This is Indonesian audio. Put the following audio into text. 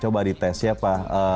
coba dites ya pak